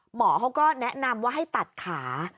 หมอเขาก็แนะนำว่าให้ตัดขา